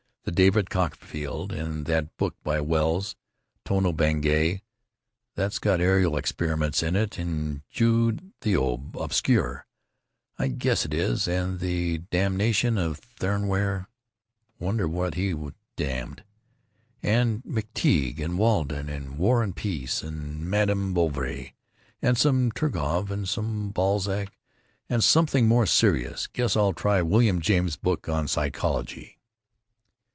There's David Copperfield, and that book by Wells, Tono Bungay, that's got aerial experiments in it, and Jude the Ob—, Obscure, I guess it is, and The Damnation of Theron Ware (wonder what he damned), and McTeague, and Walden, and War and Peace, and Madame Bovary, and some Turgenev and some Balzac. And something more serious. Guess I'll try William James's book on psychology."